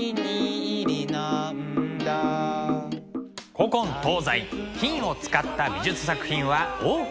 古今東西金を使った美術作品は多く存在します。